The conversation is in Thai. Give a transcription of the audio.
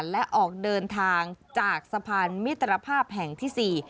และออกเดินทางจากสะพานมิตรภาพแห่งที่๔